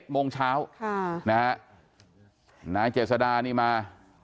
โมงเช้านายเจษดานี่มา